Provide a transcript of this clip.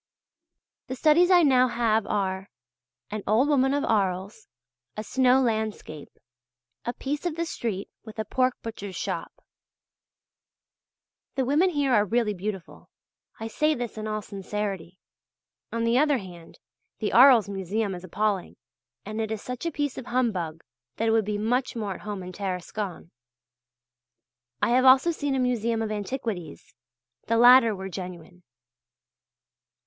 The studies I now have are: "An Old Woman of Arles," "A Snow Landscape," "A Piece of the Street with a Pork Butcher's Shop." The women here are really beautiful. I say this in all sincerity. On the other hand, the Arles Museum is appalling, and it is such a piece of humbug that it would be much more at home in Tarascon. I have also seen a museum of antiquities the latter were genuine.